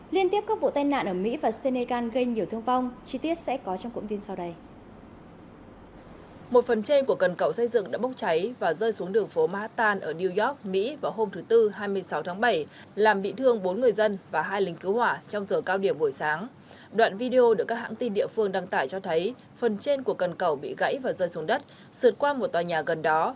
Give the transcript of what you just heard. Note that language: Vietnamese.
liên tiếp các vụ tai nạn ở mỹ và senegal gây nhiều thương vong